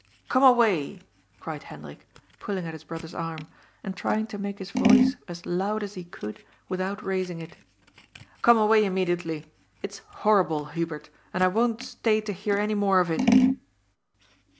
^^ Come away," cried Hendrik, pulling at his brother's arm, and trying to make his voice as loud as he could with out raising it. *^ Come away immediately. It's horrible, Hubert, and I won't stay to hear any more of it."